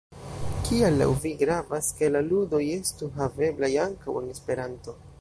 Kial laŭ vi gravas, ke la ludoj estu haveblaj ankaŭ en Esperanto?